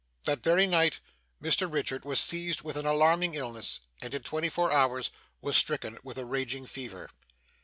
That very night, Mr Richard was seized with an alarming illness, and in twenty four hours was stricken with a raging fever.